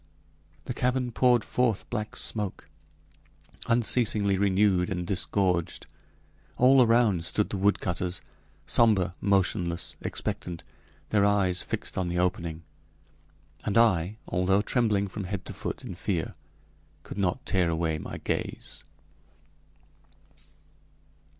This cavern poured forth black smoke, unceasingly renewed and disgorged. All around stood the woodcutters, somber, motionless, expectant, their eyes fixed on the opening; and I, although trembling from head to foot in fear, could not tear away my gaze.